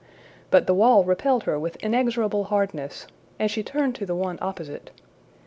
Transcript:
But the wall repelled her with inexorable hardness, and she turned to the one opposite.